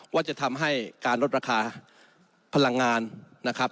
ว่าจะทำให้การลดราคาพลังงานนะครับ